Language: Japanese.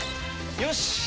よし！